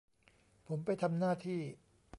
ผมไปทำหน้าที่